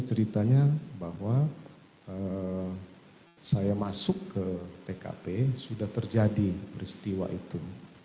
ceritanya bahwa saya masuk ke tkp sudah terjadi peristiwa itu